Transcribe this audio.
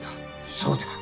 そうだ。